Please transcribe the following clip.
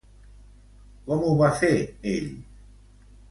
Com ho va fer ell?